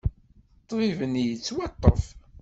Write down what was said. Ṭṭbib-nni yettwaṭṭef.